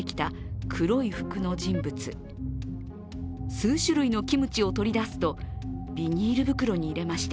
数種類のキムチを取り出すと、ビニール袋に入れました。